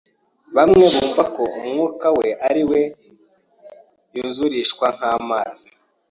Bamwe bumva ko Umwuka ari We yuzurishwa nk'amazi